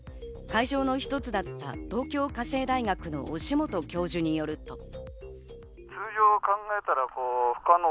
会場の一つだった東京家政大学の押元教授によると。